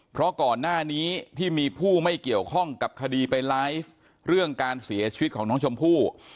เพราะก่อนหน้านี้ที่มีผู้ไม่เกี่ยวข้องกับคดีไปไลฟ์เรื่องการเสียชีวิตของน้องชมพู่